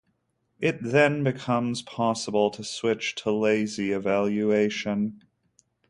It then becomes possible to switch to lazy evaluation.